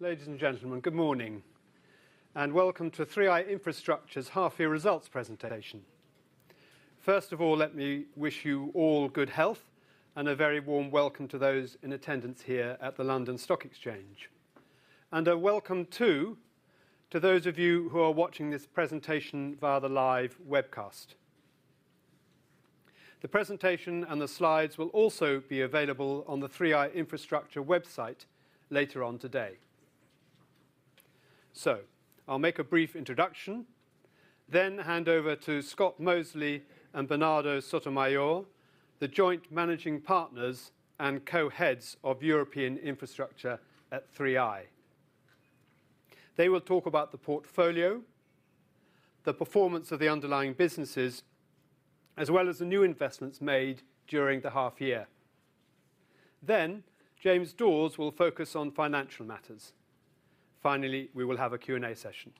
Ladies and gentlemen, good morning, and welcome to 3i Infrastructure's half-year results presentation. First of all, let me wish you all good health, and a very warm welcome to those in attendance here at the London Stock Exchange. A welcome, too, to those of you who are watching this presentation via the live webcast. The presentation and the slides will also be available on the 3i Infrastructure website later on today. I'll make a brief introduction, then hand over to Scott Moseley and Bernardo Sotomayor, the joint managing partners and co-heads of European Infrastructure at 3i. They will talk about the portfolio, the performance of the underlying businesses, as well as the new investments made during the half year. James Dawes will focus on financial matters. Finally, we will have a Q&A session.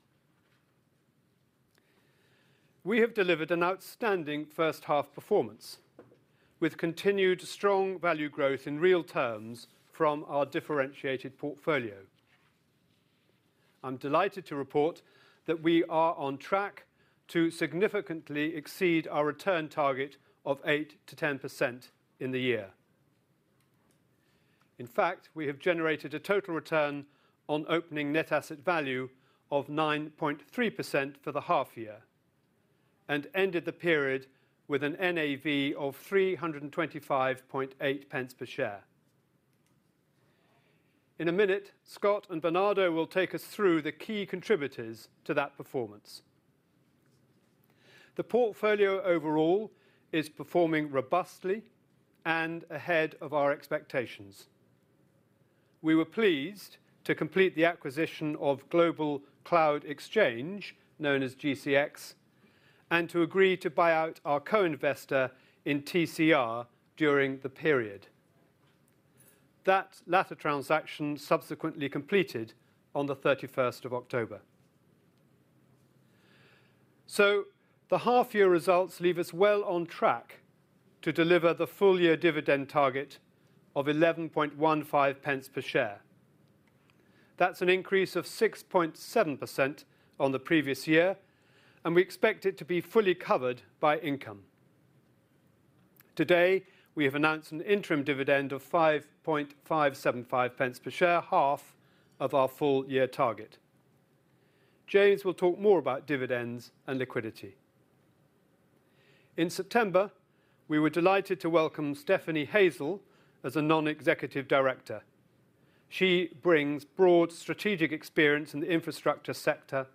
We have delivered an outstanding first-half performance, with continued strong value growth in real terms from our differentiated portfolio. I'm delighted to report that we are on track to significantly exceed our return target of 8%-10% in the year. In fact, we have generated a total return on opening net asset value of 9.3% for the half year and ended the period with an NAV of 3.258 per share. In a minute, Scott and Bernardo will take us through the key contributors to that performance. The portfolio overall is performing robustly and ahead of our expectations. We were pleased to complete the acquisition of Global Cloud Xchange, known as GCX, and to agree to buy out our co-investor in TCR during the period. That latter transaction subsequently completed on the 31st of October. The half-year results leave us well on track to deliver the full-year dividend target of 0.1115 per share. That's an increase of 6.7% on the previous year, and we expect it to be fully covered by income. Today, we have announced an interim dividend of 0.05575 per share, half of our full-year target. James will talk more about dividends and liquidity. In September, we were delighted to welcome Stephanie Hazell as a non-executive director. She brings broad strategic experience in the infrastructure sector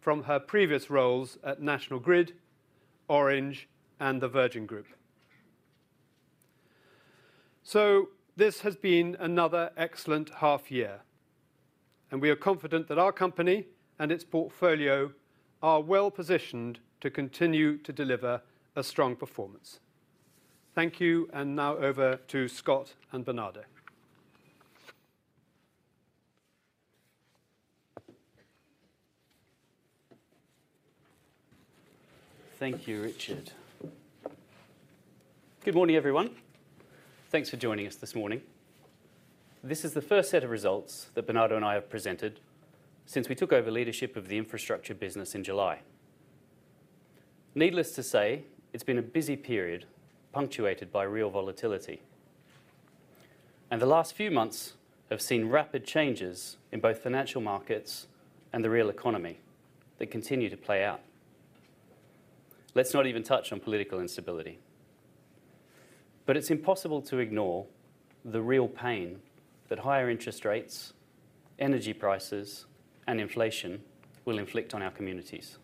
from her previous roles at National Grid, Orange, and the Virgin Group. This has been another excellent half year, and we are confident that our company and its portfolio are well-positioned to continue to deliver a strong performance. Thank you, and now over to Scott and Bernardo. Thank you, Richard. Good morning, everyone. Thanks for joining us this morning. This is the first set of results that Bernardo and I have presented since we took over leadership of the infrastructure business in July. Needless to say, it's been a busy period, punctuated by real volatility, and the last few months have seen rapid changes in both financial markets and the real economy that continue to play out. Let's not even touch on political instability. It's impossible to ignore the real pain that higher interest rates, energy prices, and inflation will inflict on our communities.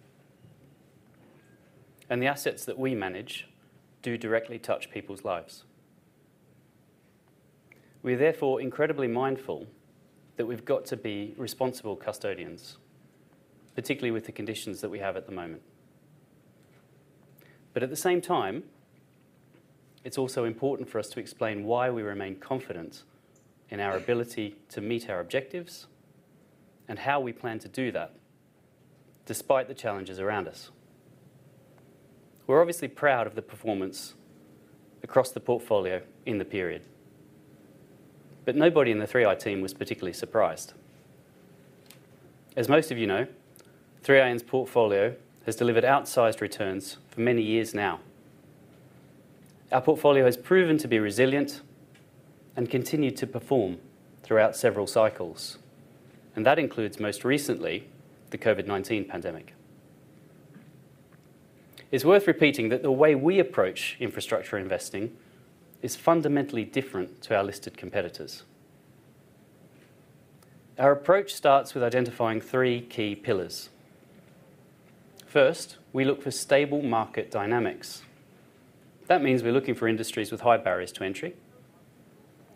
The assets that we manage do directly touch people's lives. We are therefore incredibly mindful that we've got to be responsible custodians, particularly with the conditions that we have at the moment. At the same time, it's also important for us to explain why we remain confident in our ability to meet our objectives and how we plan to do that, despite the challenges around us. We're obviously proud of the performance across the portfolio in the period, nobody in the 3i team was particularly surprised. As most of you know, 3i's portfolio has delivered outsized returns for many years now. Our portfolio has proven to be resilient and continued to perform throughout several cycles, and that includes, most recently, the COVID-19 pandemic. It's worth repeating that the way we approach infrastructure investing is fundamentally different to our listed competitors. Our approach starts with identifying three key pillars. First, we look for stable market dynamics. That means we're looking for industries with high barriers to entry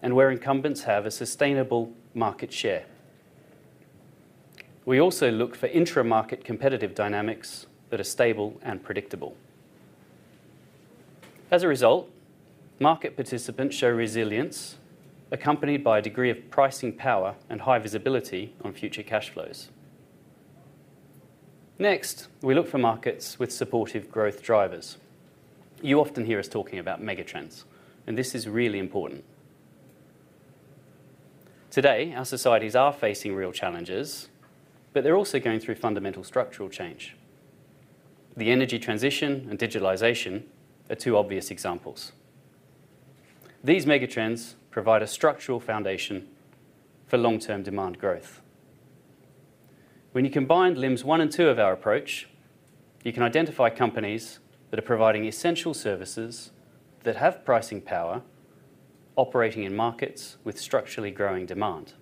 and where incumbents have a sustainable market share. We also look for intra-market competitive dynamics that are stable and predictable. As a result, market participants show resilience accompanied by a degree of pricing power and high visibility on future cash flows. Next, we look for markets with supportive growth drivers. You often hear us talking about megatrends, and this is really important. Today, our societies are facing real challenges, but they're also going through fundamental structural change. The energy transition and digitalization are two obvious examples. These megatrends provide a structural foundation for long-term demand growth. When you combine limbs one and two of our approach, you can identify companies that are providing essential services that have pricing power, operating in markets with structurally growing demand.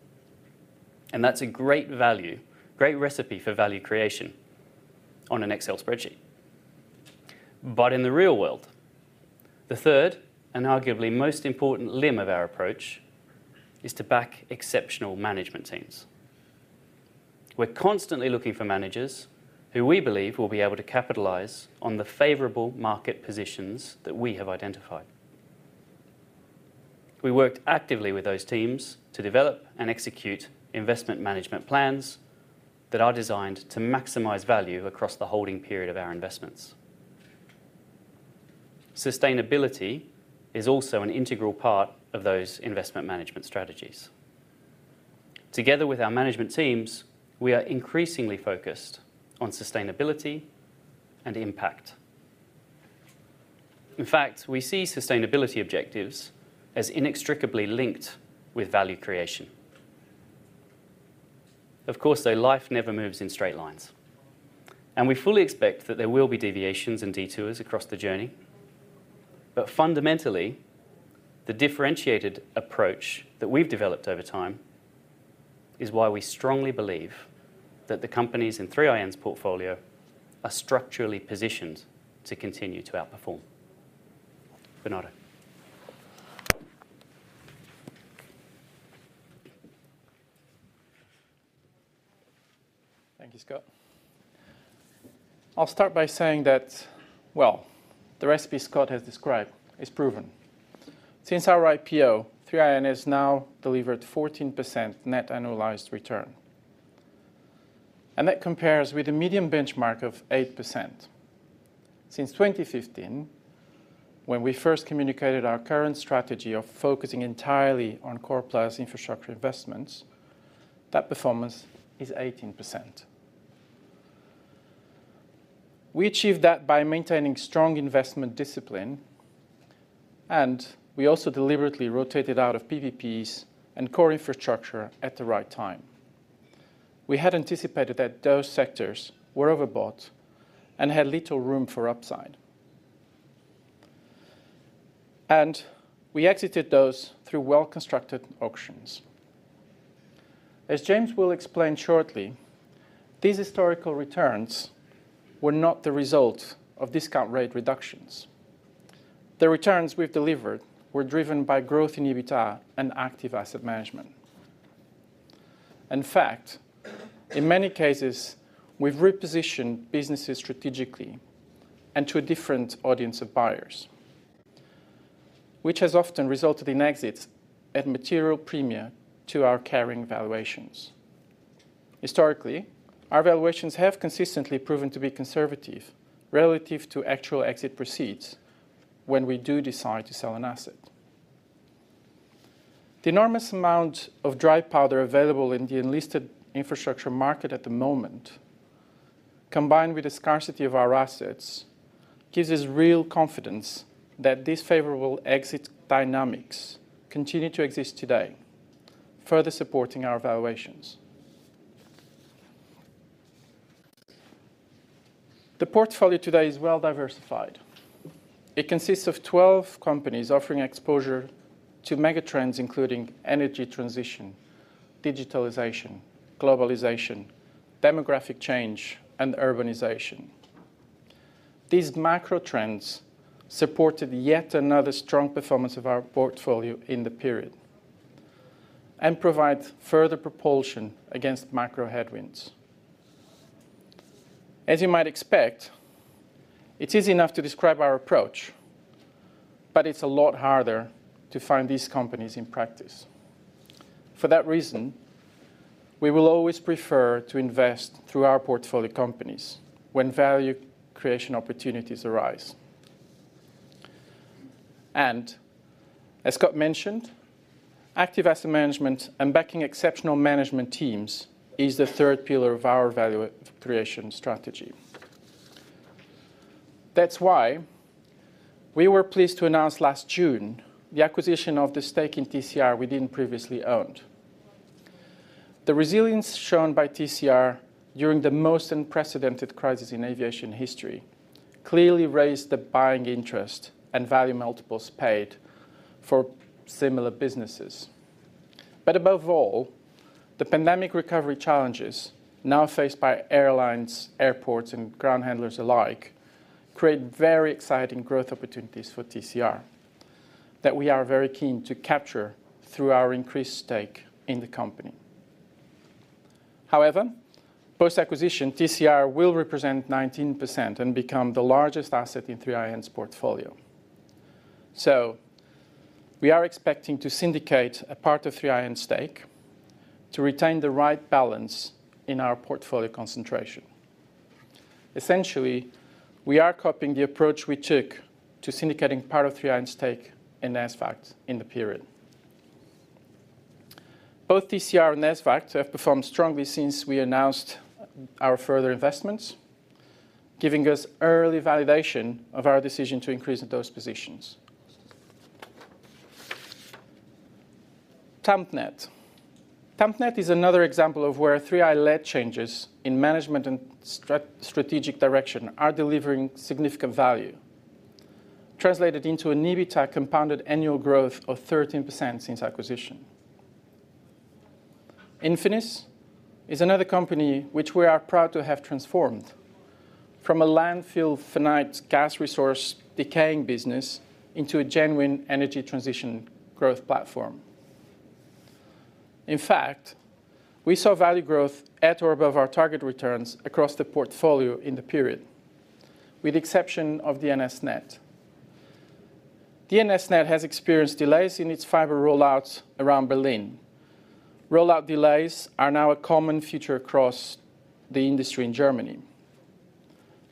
That's a great recipe for value creation on an Excel spreadsheet. In the real world, the third, and arguably most important limb of our approach is to back exceptional management teams. We're constantly looking for managers who we believe will be able to capitalize on the favorable market positions that we have identified. We worked actively with those teams to develop and execute investment management plans that are designed to maximize value across the holding period of our investments. Sustainability is also an integral part of those investment management strategies. Together with our management teams, we are increasingly focused on sustainability and impact. In fact, we see sustainability objectives as inextricably linked with value creation. Of course, though, life never moves in straight lines. We fully expect that there will be deviations and detours across the journey. Fundamentally, the differentiated approach that we've developed over time is why we strongly believe that the companies in 3iN's portfolio are structurally positioned to continue to outperform. Bernardo. Thank you, Scott. I'll start by saying that, well, the recipe Scott has described is proven. Since our IPO, 3iN has now delivered 14% net annualized return. That compares with a medium benchmark of 8%. Since 2015, when we first communicated our current strategy of focusing entirely on core plus infrastructure investments, that performance is 18%. We achieved that by maintaining strong investment discipline, and we also deliberately rotated out of PPPs and core infrastructure at the right time. We had anticipated that those sectors were overbought and had little room for upside. We exited those through well-constructed auctions. As James will explain shortly, these historical returns were not the result of discount rate reductions. The returns we've delivered were driven by growth in EBITDA and active asset management. In fact, in many cases, we've repositioned businesses strategically and to a different audience of buyers, which has often resulted in exits at material premium to our carrying valuations. Historically, our valuations have consistently proven to be conservative relative to actual exit proceeds when we do decide to sell an asset. The enormous amount of dry powder available in the unlisted infrastructure market at the moment, combined with the scarcity of our assets, gives us real confidence that these favorable exit dynamics continue to exist today, further supporting our valuations. The portfolio today is well-diversified. It consists of 12 companies offering exposure to megatrends, including energy transition, digitalization, globalization, demographic change, and urbanization. These macro trends supported yet another strong performance of our portfolio in the period and provide further propulsion against macro headwinds. As you might expect, it is enough to describe our approach, but it's a lot harder to find these companies in practice. For that reason, we will always prefer to invest through our portfolio companies when value creation opportunities arise. As Scott mentioned, active asset management and backing exceptional management teams is the third pillar of our value creation strategy. That's why we were pleased to announce last June the acquisition of the stake in TCR we didn't previously own. The resilience shown by TCR during the most unprecedented crisis in aviation history clearly raised the buying interest and value multiples paid for similar businesses. Above all, the pandemic recovery challenges now faced by airlines, airports, and ground handlers alike create very exciting growth opportunities for TCR that we are very keen to capture through our increased stake in the company. However, post-acquisition, TCR will represent 19% and become the largest asset in 3iN's portfolio. We are expecting to syndicate a part of 3i's stake to retain the right balance in our portfolio concentration. Essentially, we are copying the approach we took to syndicating part of 3i's stake in ESVAGT in the period. Both TCR and ESVAGT have performed strongly since we announced our further investments, giving us early validation of our decision to increase in those positions. Tampnet. Tampnet is another example of where 3i-led changes in management and strategic direction are delivering significant value, translated into an EBITDA compounded annual growth of 13% since acquisition. Infinis is another company which we are proud to have transformed from a landfill finite gas resource decaying business into a genuine energy transition growth platform. In fact, we saw value growth at or above our target returns across the portfolio in the period, with the exception of DNS:NET. DNS:NET has experienced delays in its fiber rollouts around Berlin. Rollout delays are now a common feature across the industry in Germany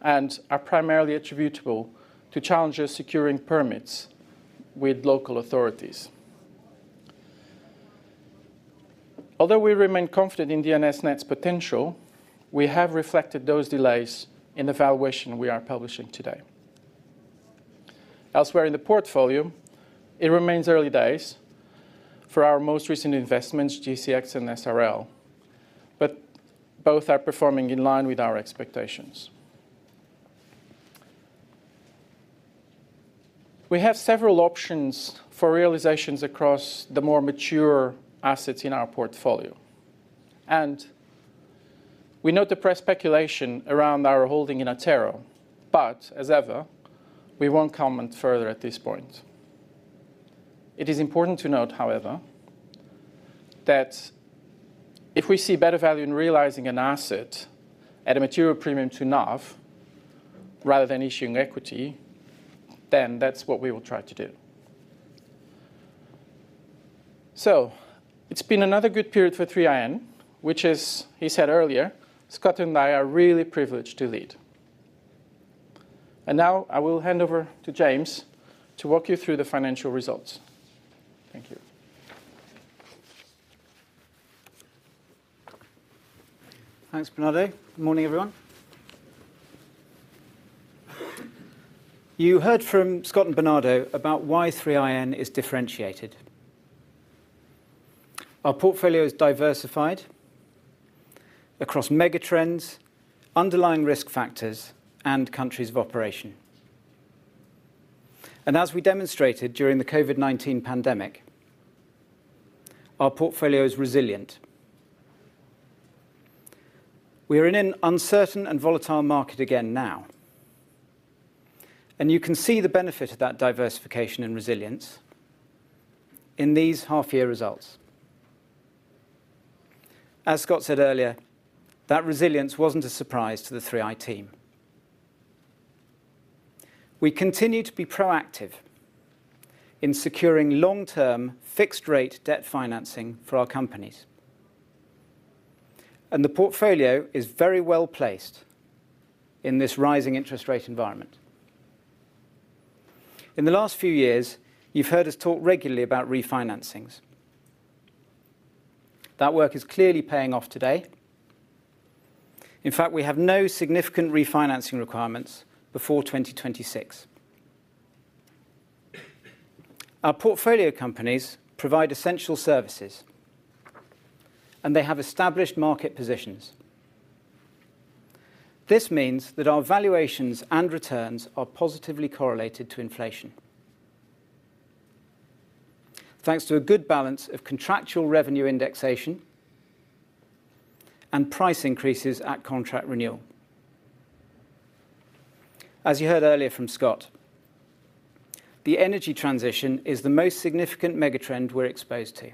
and are primarily attributable to challenges securing permits with local authorities. Although we remain confident in DNS:NET's potential, we have reflected those delays in the valuation we are publishing today. Elsewhere in the portfolio, it remains early days for our most recent investments, GCX and SRL, both are performing in line with our expectations. We have several options for realizations across the more mature assets in our portfolio. We note the press speculation around our holding in Attero, as ever, we won't comment further at this point. It is important to note, however, that if we see better value in realizing an asset at a material premium to NAV rather than issuing equity, then that's what we will try to do. It's been another good period for 3iN, which as he said earlier, Scott and I are really privileged to lead. Now I will hand over to James to walk you through the financial results. Thank you. Thanks, Bernardo. Good morning, everyone. You heard from Scott and Bernardo about why 3iN is differentiated. Our portfolio is diversified across mega trends, underlying risk factors, and countries of operation. As we demonstrated during the COVID-19 pandemic, our portfolio is resilient. We are in an uncertain and volatile market again now. You can see the benefit of that diversification and resilience in these half-year results. As Scott said earlier, that resilience wasn't a surprise to the 3i team. We continue to be proactive in securing long-term fixed rate debt financing for our companies. The portfolio is very well-placed in this rising interest rate environment. In the last few years, you've heard us talk regularly about refinancings. That work is clearly paying off today. In fact, we have no significant refinancing requirements before 2026. Our portfolio companies provide essential services. They have established market positions. This means that our valuations and returns are positively correlated to inflation, thanks to a good balance of contractual revenue indexation and price increases at contract renewal. As you heard earlier from Scott, the energy transition is the most significant mega trend we're exposed to.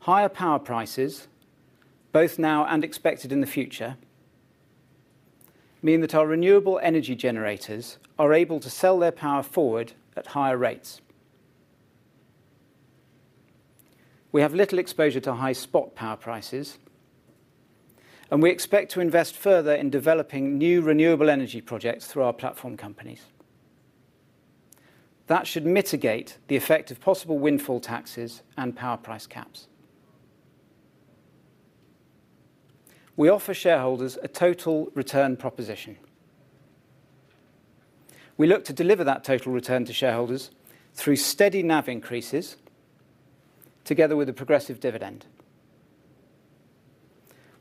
Higher power prices, both now and expected in the future, mean that our renewable energy generators are able to sell their power forward at higher rates. We have little exposure to high spot power prices. We expect to invest further in developing new renewable energy projects through our platform companies. That should mitigate the effect of possible windfall taxes and power price caps. We offer shareholders a total return proposition. We look to deliver that total return to shareholders through steady NAV increases together with a progressive dividend.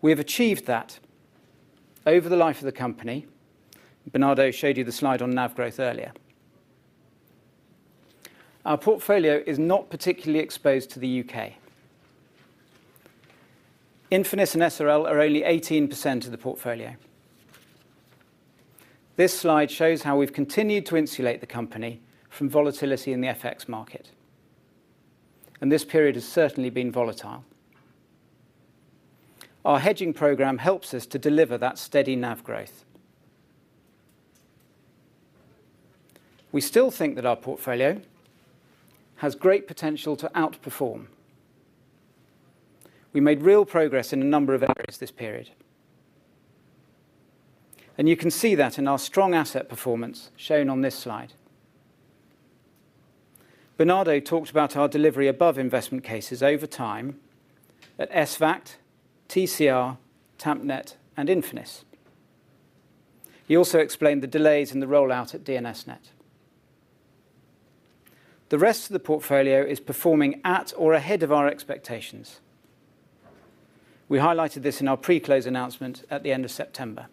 We have achieved that over the life of the company. Bernardo showed you the slide on NAV growth earlier. Our portfolio is not particularly exposed to the U.K. Infinis and SRL are only 18% of the portfolio. This slide shows how we've continued to insulate the company from volatility in the FX market, and this period has certainly been volatile. Our hedging program helps us to deliver that steady NAV growth. We still think that our portfolio has great potential to outperform. We made real progress in a number of areas this period, and you can see that in our strong asset performance shown on this slide. Bernardo talked about our delivery above investment cases over time at ESVAGT, TCR, Tampnet, and Infinis. He also explained the delays in the rollout at DNS:NET. The rest of the portfolio is performing at or ahead of our expectations. We highlighted this in our pre-close announcement at the end of September.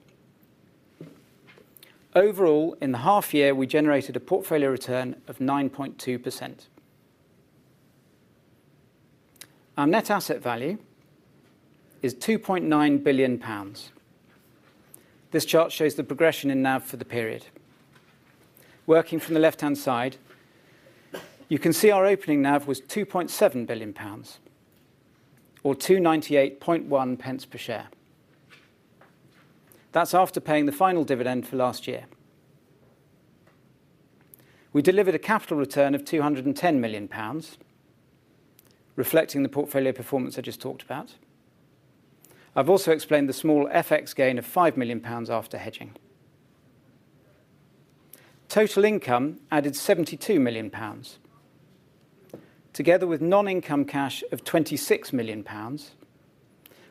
Overall, in the half year, we generated a portfolio return of 9.2%. Our net asset value is 2.9 billion pounds. This chart shows the progression in NAV for the period. Working from the left-hand side, you can see our opening NAV was 2.7 billion pounds or 2.981 pounds per share. That's after paying the final dividend for last year. We delivered a capital return of 210 million pounds, reflecting the portfolio performance I just talked about. I've also explained the small FX gain of 5 million pounds after hedging. Total income added 72 million pounds. Together with non-income cash of 26 million pounds,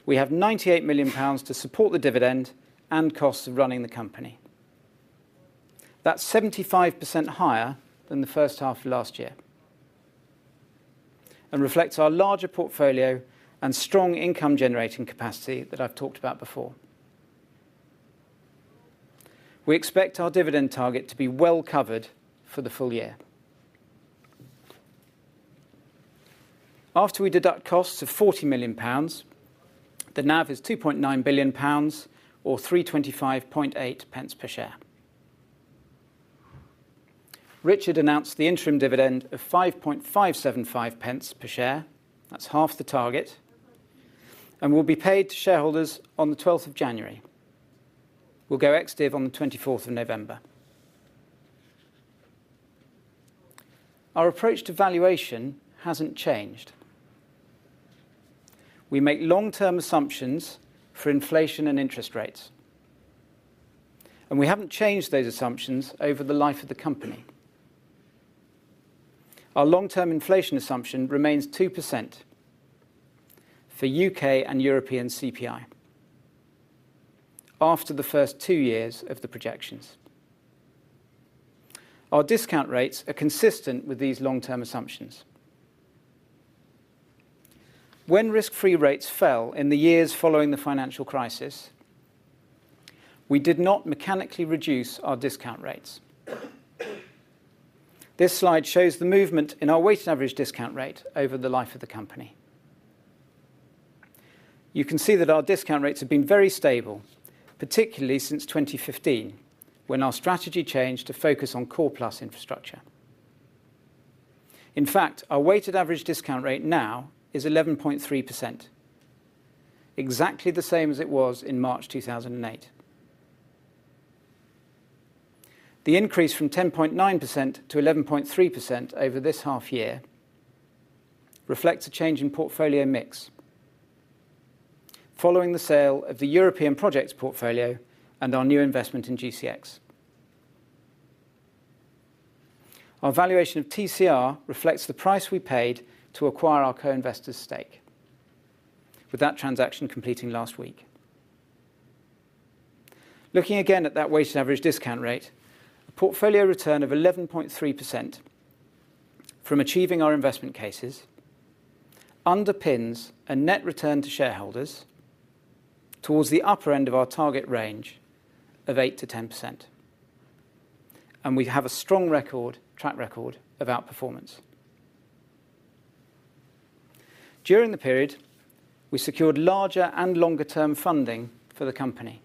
we have 98 million pounds to support the dividend and costs of running the company. That's 75% higher than the first half of last year and reflects our larger portfolio and strong income-generating capacity that I've talked about before. We expect our dividend target to be well-covered for the full year. After we deduct costs of 40 million pounds, the NAV is 2.9 billion pounds, or 3.258 per share. Richard announced the interim dividend of 0.05575 per share. That's half the target and will be paid to shareholders on the 12th of January. We'll go ex-div on the 24th of November. Our approach to valuation hasn't changed. We make long-term assumptions for inflation and interest rates, and we haven't changed those assumptions over the life of the company. Our long-term inflation assumption remains 2% for U.K. and European CPI after the first two years of the projections. Our discount rates are consistent with these long-term assumptions. When risk-free rates fell in the years following the financial crisis, we did not mechanically reduce our discount rates. This slide shows the movement in our weighted average discount rate over the life of the company. You can see that our discount rates have been very stable, particularly since 2015, when our strategy changed to focus on core plus infrastructure. In fact, our weighted average discount rate now is 11.3%, exactly the same as it was in March 2008. The increase from 10.9% to 11.3% over this half year reflects a change in portfolio mix following the sale of the European Projects portfolio and our new investment in GCX. Our valuation of TCR reflects the price we paid to acquire our co-investor's stake, with that transaction completing last week. Looking again at that weighted average discount rate, a portfolio return of 11.3% from achieving our investment cases underpins a net return to shareholders towards the upper end of our target range of 8%-10%, and we have a strong track record of outperformance. During the period, we secured larger and longer-term funding for the company.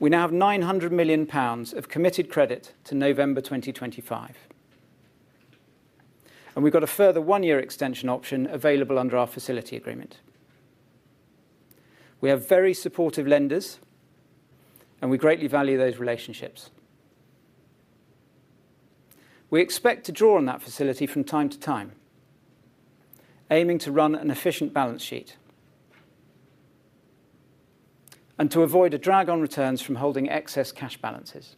We now have 900 million pounds of committed credit to November 2025. We've got a further one-year extension option available under our facility agreement. We have very supportive lenders, and we greatly value those relationships. We expect to draw on that facility from time to time, aiming to run an efficient balance sheet and to avoid a drag on returns from holding excess cash balances.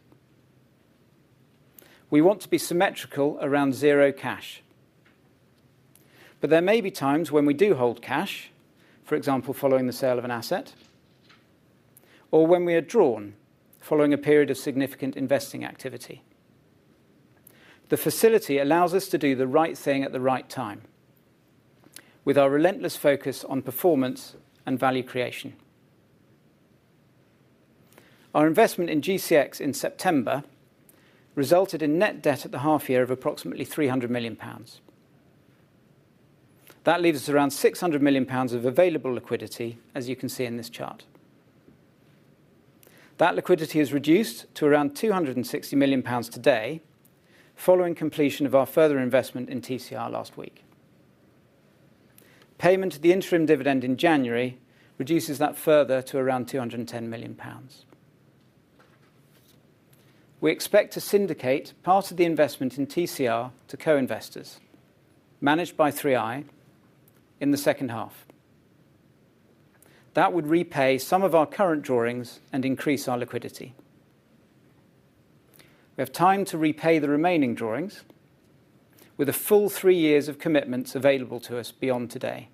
We want to be symmetrical around zero cash, there may be times when we do hold cash, for example, following the sale of an asset, or when we are drawn following a period of significant investing activity. The facility allows us to do the right thing at the right time with our relentless focus on performance and value creation. Our investment in GCX in September resulted in net debt at the half year of approximately 300 million pounds. That leaves us around 600 million pounds of available liquidity, as you can see in this chart. That liquidity is reduced to around 260 million pounds today following completion of our further investment in TCR last week. Payment of the interim dividend in January reduces that further to around 210 million pounds. We expect to syndicate part of the investment in TCR to co-investors managed by 3i in the second half. That would repay some of our current drawings and increase our liquidity. We have time to repay the remaining drawings with a full three years of commitments available to us beyond today.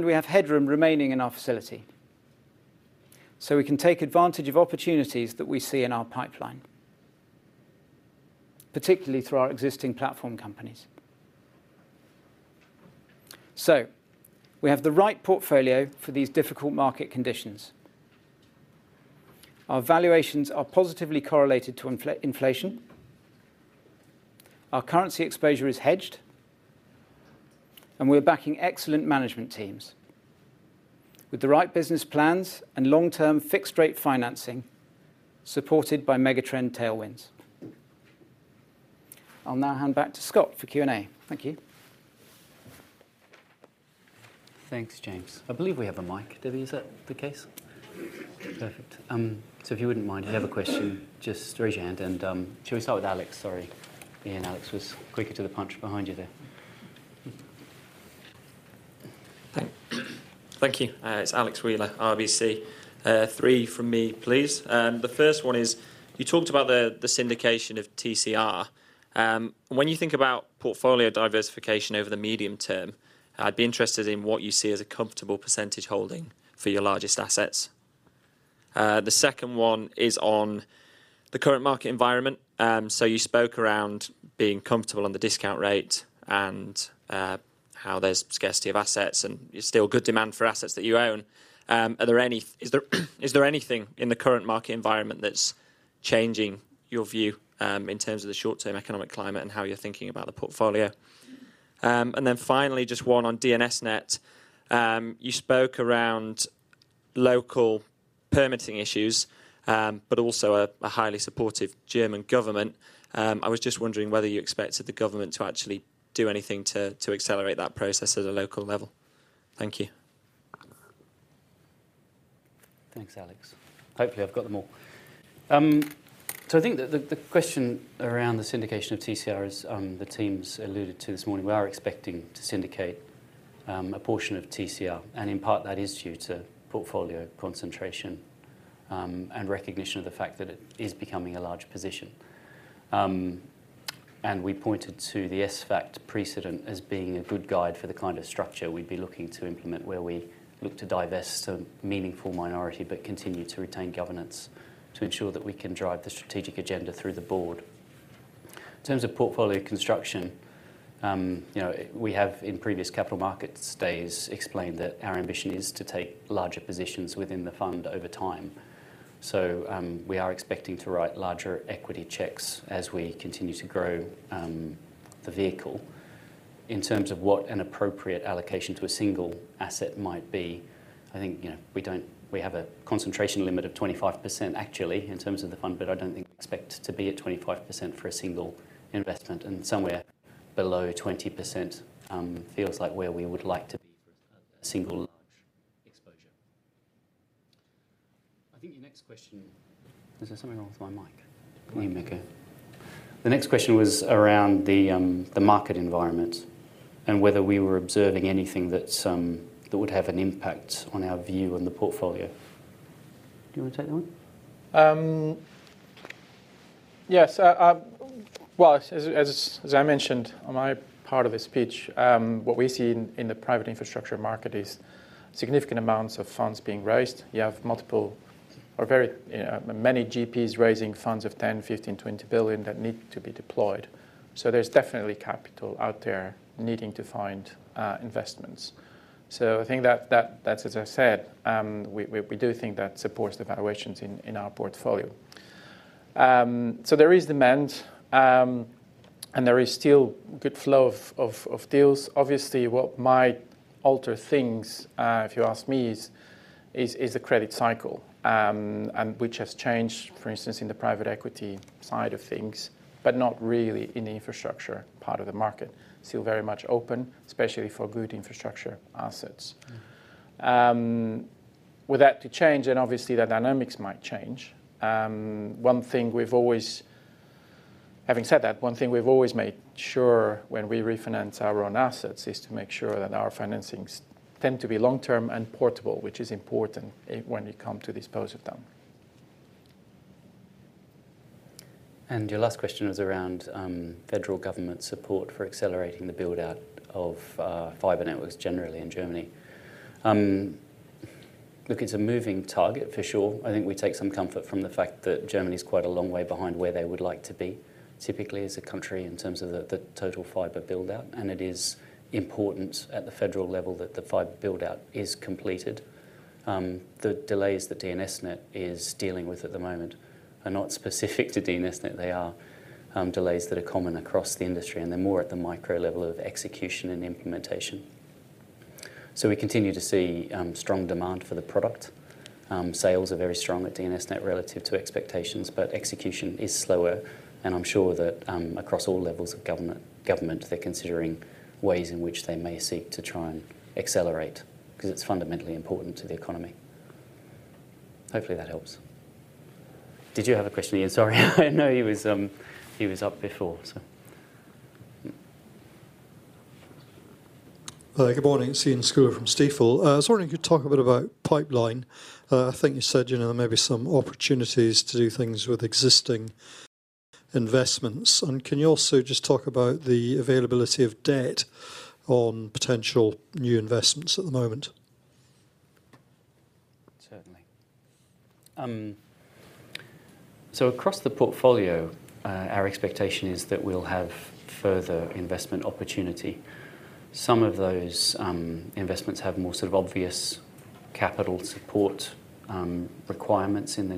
We have headroom remaining in our facility, we can take advantage of opportunities that we see in our pipeline, particularly through our existing platform companies. We have the right portfolio for these difficult market conditions. Our valuations are positively correlated to inflation. Our currency exposure is hedged, we're backing excellent management teams with the right business plans and long-term fixed-rate financing supported by megatrend tailwinds. I'll now hand back to Scott for Q&A. Thank you. Thanks, James. I believe we have a mic. Debbie, is that the case? Perfect. If you wouldn't mind, if you have a question, just raise your hand and shall we start with Alex? Sorry. Ian, Alex was quicker to the punch behind you there. Thank you. It's Alex Wheeler, RBC. Three from me, please. The first one is, you talked about the syndication of TCR. When you think about portfolio diversification over the medium term, I'd be interested in what you see as a comfortable percentage holding for your largest assets. The second one is on the current market environment. You spoke around being comfortable on the discount rate and how there's scarcity of assets and there's still good demand for assets that you own. Is there anything in the current market environment that's changing your view in terms of the short-term economic climate and how you're thinking about the portfolio? Then finally, just one on DNS:NET. You spoke around local permitting issues, but also a highly supportive German government. I was just wondering whether you expected the government to actually do anything to accelerate that process at a local level. Thank you. Thanks, Alex. Hopefully, I've got them all. I think that the question around the syndication of TCR, as the teams alluded to this morning, we are expecting to syndicate a portion of TCR, and in part, that is due to portfolio concentration and recognition of the fact that it is becoming a large position. We pointed to the ESVAGT precedent as being a good guide for the kind of structure we'd be looking to implement where we look to divest a meaningful minority, but continue to retain governance to ensure that we can drive the strategic agenda through the board. In terms of portfolio construction, we have, in previous capital markets days, explained that our ambition is to take larger positions within the fund over time. We are expecting to write larger equity checks as we continue to grow the vehicle. In terms of what an appropriate allocation to a single asset might be, I think we have a concentration limit of 25%, actually, in terms of the fund, but I don't expect to be at 25% for a single investment. Somewhere below 20% feels like where we would like to be for a single large exposure. I think your next question. Is there something wrong with my mic? The next question was around the market environment and whether we were observing anything that would have an impact on our view on the portfolio. Do you want to take that one? Yes. Well, as I mentioned on my part of the speech, what we see in the private infrastructure market is significant amounts of funds being raised. You have multiple or very many GPs raising funds of 10 billion, 15 billion, 20 billion that need to be deployed. There's definitely capital out there needing to find investments. I think that, as I said, we do think that supports the valuations in our portfolio. There is demand, and there is still good flow of deals. What might alter things, if you ask me, is the credit cycle which has changed, for instance, in the private equity side of things, but not really in the infrastructure part of the market. Still very much open, especially for good infrastructure assets. Were that to change, obviously the dynamics might change. Having said that, one thing we've always made sure when we refinance our own assets is to make sure that our financings tend to be long-term and portable, which is important when we come to dispose of them. Your last question was around federal government support for accelerating the build-out of fiber networks generally in Germany. Look, it's a moving target for sure. I think we take some comfort from the fact that Germany is quite a long way behind where they would like to be, typically as a country in terms of the total fiber build-out. It is important at the federal level that the fiber build-out is completed. The delays that DNS:NET is dealing with at the moment are not specific to DNS:NET. They are delays that are common across the industry, and they're more at the micro level of execution and implementation. We continue to see strong demand for the product. Sales are very strong at DNS:NET relative to expectations, execution is slower, I'm sure that across all levels of government, they're considering ways in which they may seek to try and accelerate, because it's fundamentally important to the economy. Hopefully that helps. Did you have a question, Ian? Sorry, I know he was up before. Good morning. It's Ian Scoular from Stifel. I was wondering if you could talk a bit about pipeline. I think you said there may be some opportunities to do things with existing investments. Can you also just talk about the availability of debt on potential new investments at the moment? Certainly. Across the portfolio, our expectation is that we'll have further investment opportunity. Some of those investments have more obvious capital support requirements in the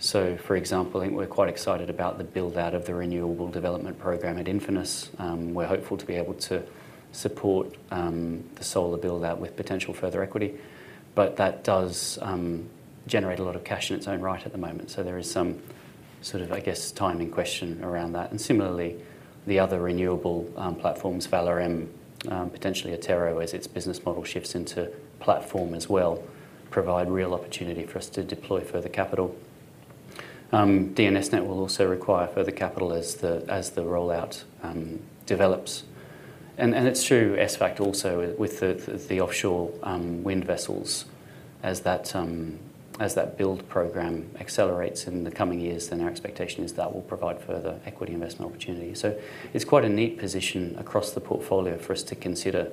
near term. For example, I think we're quite excited about the build-out of the renewable development program at Infinis. We're hopeful to be able to support the solar build-out with potential further equity, but that does generate a lot of cash in its own right at the moment. There is some, I guess, timing question around that. Similarly, the other renewable platforms, Valorem, potentially Attero, as its business model shifts into platform as well, provide real opportunity for us to deploy further capital. DNS:NET will also require further capital as the rollout develops. It's true, ESVAGT also with the offshore wind vessels, as that build program accelerates in the coming years, our expectation is that will provide further equity investment opportunity. It's quite a neat position across the portfolio for us to consider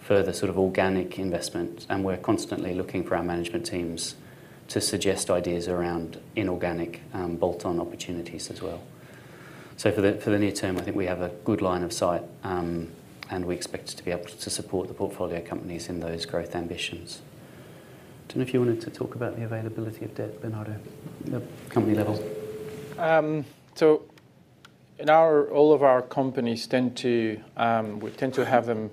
further organic investment, and we're constantly looking for our management teams to suggest ideas around inorganic bolt-on opportunities as well. For the near term, I think we have a good line of sight, and we expect to be able to support the portfolio companies in those growth ambitions. Don't know if you wanted to talk about the availability of debt, Bernardo, at company level. All of our companies, we tend to have them,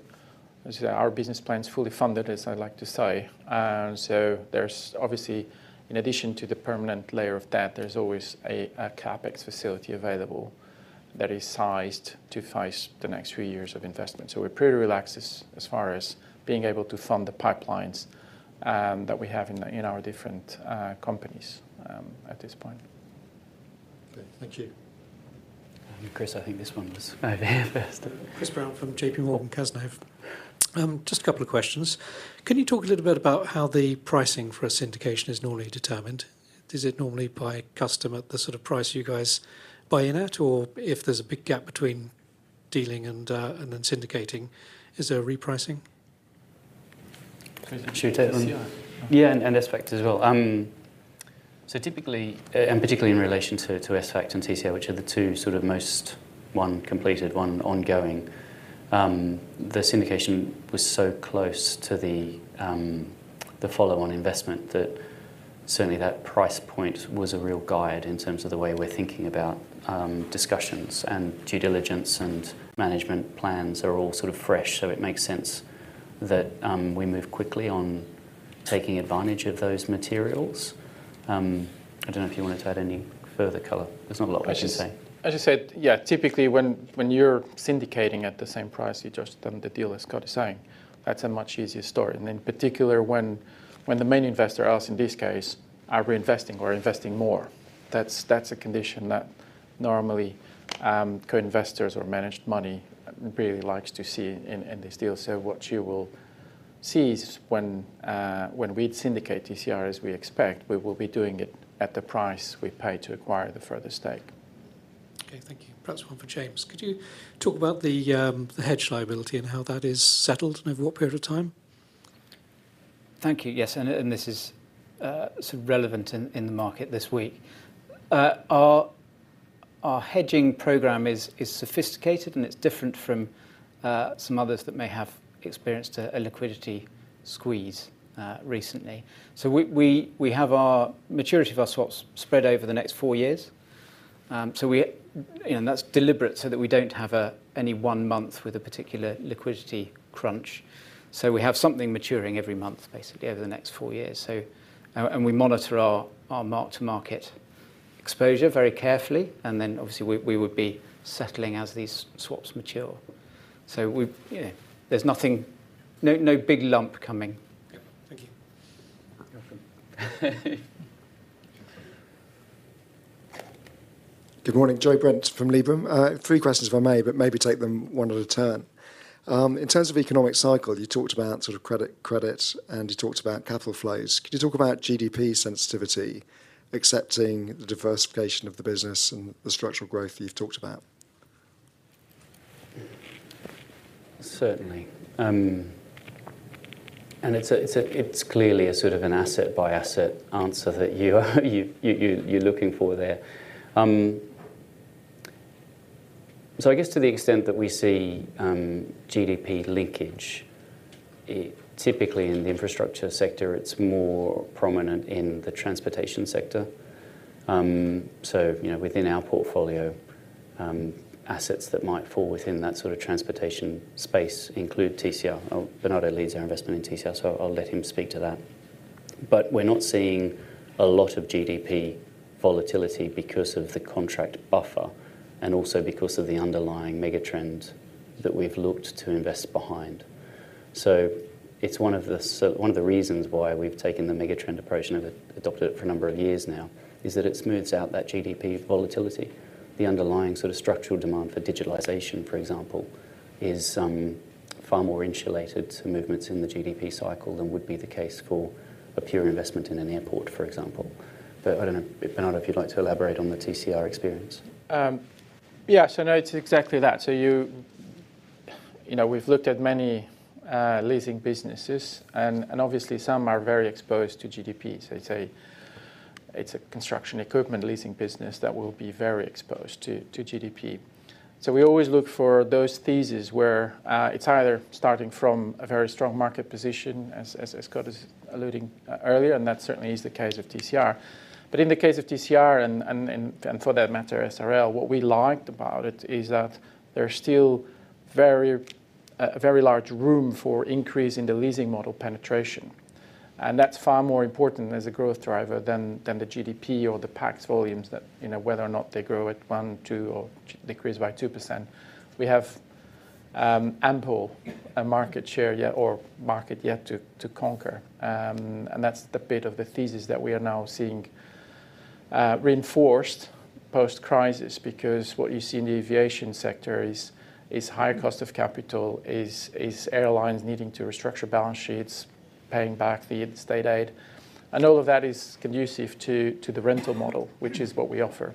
as I say, our business plan's fully funded, as I like to say. There's obviously, in addition to the permanent layer of debt, there's always a CapEx facility available that is sized to face the next few years of investment. We're pretty relaxed as far as being able to fund the pipelines that we have in our different companies at this point. Okay. Thank you. Chris, I think this one was over here first. Chris Brown from J.P. Morgan Cazenove. Just a couple of questions. Can you talk a little bit about how the pricing for a syndication is normally determined? Is it normally by customer, the price you guys buy in at, or if there's a big gap between dealing and then syndicating, is there a repricing? Should we take that one? Yeah, and ESVAGT as well. Typically, and particularly in relation to ESVAGT and TCR, which are the two most, one completed, one ongoing. The syndication was so close to the follow-on investment that certainly that price point was a real guide in terms of the way we're thinking about discussions, and due diligence and management plans are all fresh. It makes sense that we move quickly on taking advantage of those materials. I don't know if you wanted to add any further color. There's not a lot more to say. As you said, yeah, typically when you're syndicating at the same price you just done the deal, as Scott is saying, that's a much easier story. In particular, when the main investor, us in this case, are reinvesting or investing more, that's a condition that normally co-investors or managed money really likes to see in this deal. What you will see is when we syndicate TCR, as we expect, we will be doing it at the price we pay to acquire the further stake. Okay, thank you. Perhaps one for James. Could you talk about the hedge liability and how that is settled, and over what period of time? Thank you. Yes, this is relevant in the market this week. Our hedging program is sophisticated, and it's different from some others that may have experienced a liquidity squeeze recently. We have our maturity of our swaps spread over the next four years. That's deliberate so that we don't have any one month with a particular liquidity crunch. We have something maturing every month, basically, over the next four years. We monitor our mark-to-market exposure very carefully, and then obviously we would be settling as these swaps mature. There's no big lump coming. Yep. Thank you. You're welcome. Good morning. Joe Brent from Liberum. Three questions if I may, but maybe take them one at a turn. In terms of economic cycle, you talked about credit, and you talked about capital flows. Could you talk about GDP sensitivity, excepting the diversification of the business and the structural growth that you've talked about? Certainly. It's clearly a sort of an asset-by-asset answer that you're looking for there. I guess to the extent that we see GDP linkage, typically in the infrastructure sector, it's more prominent in the transportation sector. Within our portfolio assets that might fall within that sort of transportation space include TCR. Bernardo leads our investment in TCR, so I'll let him speak to that. We're not seeing a lot of GDP volatility because of the contract buffer and also because of the underlying mega-trend that we've looked to invest behind. It's one of the reasons why we've taken the mega-trend approach and have adopted it for a number of years now, is that it smooths out that GDP volatility. The underlying structural demand for digitalization, for example, is far more insulated to movements in the GDP cycle than would be the case for a pure investment in an airport, for example. I don't know, Bernardo, if you'd like to elaborate on the TCR experience. Yeah. No, it's exactly that. We've looked at many leasing businesses, obviously some are very exposed to GDP. It's a construction equipment leasing business that will be very exposed to GDP. We always look for those theses where it's either starting from a very strong market position, as Scott was alluding earlier, that certainly is the case with TCR. In the case of TCR and for that matter, SRL, what we liked about it is that there's still very large room for increase in the leasing model penetration. That's far more important as a growth driver than the GDP or the pax volumes that, whether or not they grow at one, two, or decrease by 2%. We have ample market share or market yet to conquer. That's the bit of the thesis that we are now seeing reinforced post-crisis because what you see in the aviation sector is higher cost of capital, is airlines needing to restructure balance sheets, paying back the state aid. All of that is conducive to the rental model, which is what we offer.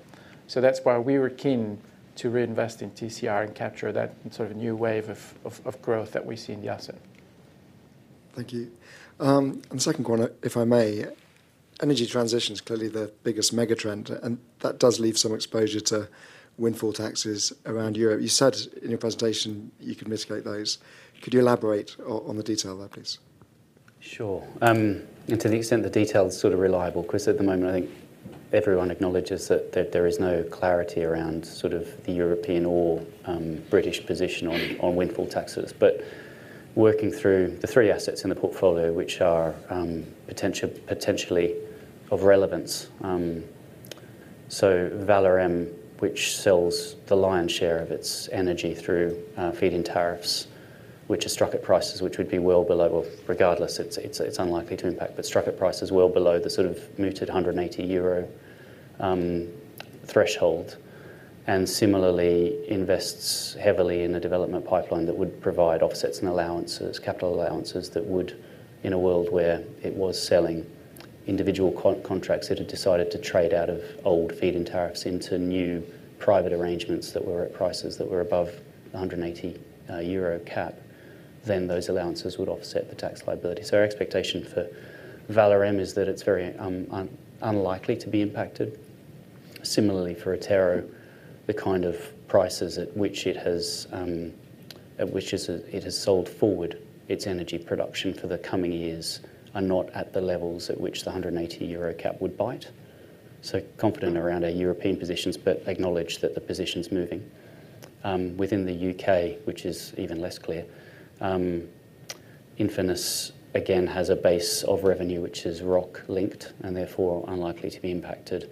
That's why we were keen to reinvest in TCR and capture that new wave of growth that we see in the asset. Thank you. On the second quarter, if I may. Energy transition is clearly the biggest mega-trend, that does leave some exposure to windfall taxes around Europe. You said in your presentation you could mitigate those. Could you elaborate on the detail there, please? To the extent the detail is sort of reliable because at the moment, I think everyone acknowledges that there is no clarity around the European or U.K. position on windfall taxes. Working through the three assets in the portfolio, which are potentially of relevance. Valorem, which sells the lion's share of its energy through feed-in tariffs, which are struck at prices which would be well below Well, regardless, it's unlikely to impact, but struck at prices well below the sort of mooted 180 euro threshold. Similarly, invests heavily in a development pipeline that would provide offsets and allowances, capital allowances, that would, in a world where it was selling individual contracts, it had decided to trade out of old feed-in tariffs into new private arrangements that were at prices that were above the 180 euro cap, then those allowances would offset the tax liability. Our expectation for Valorem is that it's very unlikely to be impacted. Similarly, for Attero, the kind of prices at which it has sold forward its energy production for the coming years are not at the levels at which the 180 euro cap would bite. Confident around our European positions, but acknowledge that the position's moving. Within the U.K., which is even less clear. Infinis, again, has a base of revenue, which is ROC linked, and therefore unlikely to be impacted.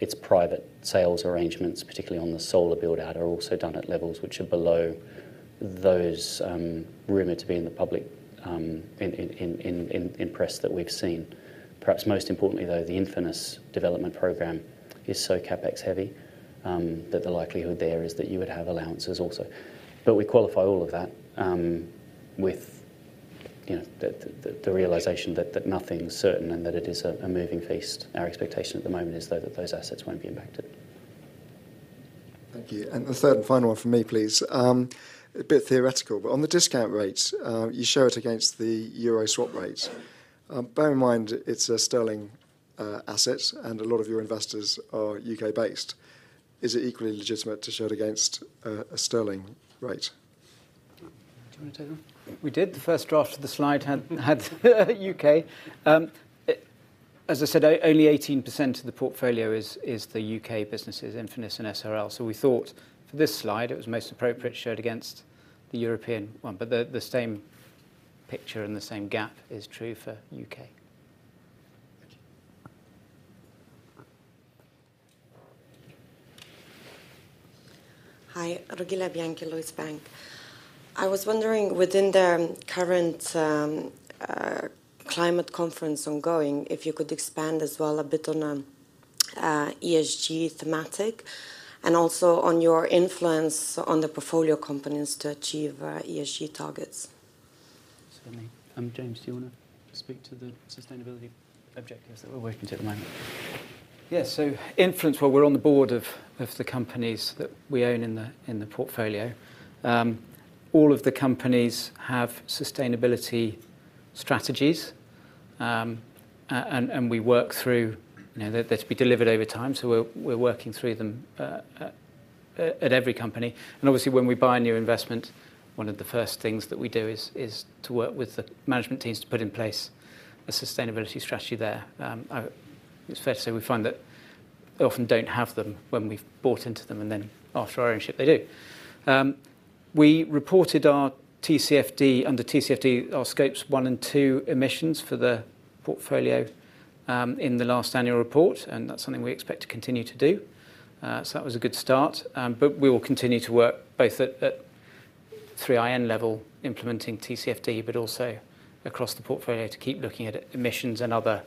Its private sales arrangements, particularly on the solar build-out, are also done at levels which are below those rumored to be in the public, in press that we've seen. Perhaps most importantly, though, the Infinis development program is so CapEx heavy, that the likelihood there is that you would have allowances also. We qualify all of that with the realization that nothing's certain and that it is a moving feast. Our expectation at the moment is, though, that those assets won't be impacted. Thank you. The third and final one from me, please. A bit theoretical, but on the discount rates, you show it against the euro swap rates. Bear in mind it's a Sterling asset and a lot of your investors are U.K.-based. Is it equally legitimate to show it against a Sterling rate? Do you want to take that one? We did. The first draft of the slide had U.K. As I said, only 18% of the portfolio is the U.K. businesses, Infinis and SRL. We thought for this slide, it was most appropriate to show it against the European one. The same picture and the same gap is true for U.K. Thank you. Hi. Rugile Bianchi, Lloyds Bank. I was wondering, within the current climate conference ongoing, if you could expand as well a bit on ESG thematic, and also on your influence on the portfolio companies to achieve ESG targets. Certainly. James, do you want to speak to the sustainability objectives that we're working to at the moment? Yeah. Well, we're on the board of the companies that we own in the portfolio. All of the companies have sustainability strategies, and we work through They're to be delivered over time, so we're working through them at every company. Obviously, when we buy a new investment, one of the first things that we do is to work with the management teams to put in place a sustainability strategy there. It's fair to say we find that they often don't have them when we've bought into them, and then after our ownership, they do. We reported our TCFD, under TCFD, our scopes one and two emissions for the portfolio, in the last annual report, and that's something we expect to continue to do. That was a good start. We will continue to work both at 3iN level, implementing TCFD, also across the portfolio to keep looking at emissions and other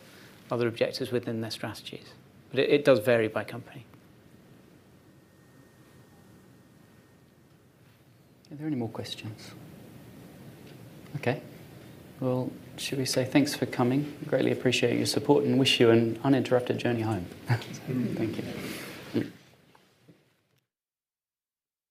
objectives within their strategies. It does vary by company. Are there any more questions? Okay. Well, should we say thanks for coming? Greatly appreciate your support and wish you an uninterrupted journey home. Thank you.